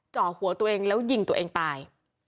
จ่อหัวตัวเองแล้วยิงตัวเองตาย